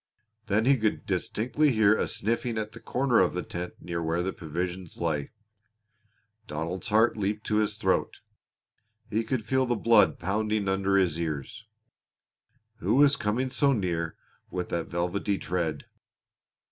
Then he could distinctly hear a sniffing at the corner of the tent near which the provisions lay. Donald's heart leaped to his throat. He could feel the blood pounding under his ears. Who was coming so near with that velvety tread?